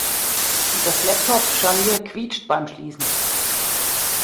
Das Laptopscharnier quietscht beim schließen.